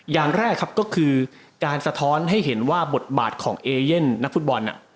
อย่างแรกครับก็คือการสะท้อนให้เห็นว่าบทบาทของเอเย่นนักฟุตบอล